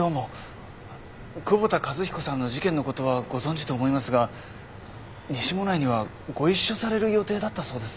窪田一彦さんの事件のことはご存じと思いますが西馬音内にはご一緒される予定だったそうですね。